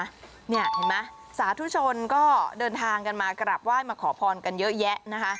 เห็นไหมสาธุชนก็เดินทางกันมากราบไหว้มาขอพรกันเยอะแยะนะคะ